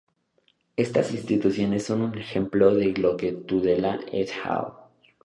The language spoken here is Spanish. Estas instituciones son el ejemplo de lo que Tudela et al.